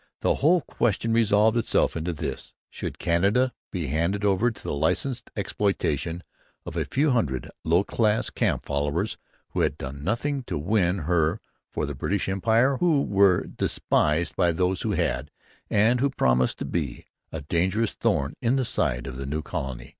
The whole question resolved itself into this: should Canada be handed over to the licensed exploitation of a few hundred low class camp followers, who had done nothing to win her for the British Empire, who were despised by those who had, and who promised to be a dangerous thorn in the side of the new colony?